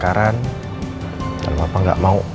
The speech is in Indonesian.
terima kasih arguably